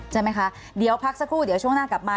ใช่ไหมคะเดี๋ยวพักสักครู่เดี๋ยวช่วงหน้ากลับมา